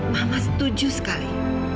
mama setuju sekali